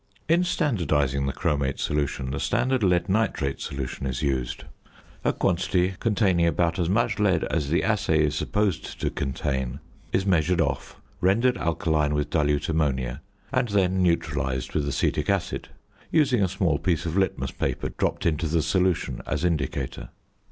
In standardising the chromate solution, the standard lead nitrate solution is used. A quantity containing about as much lead as the assay is supposed to contain is measured off, rendered alkaline with dilute ammonia, and then neutralised with acetic acid, using a small piece of litmus paper dropped into the solution as indicator.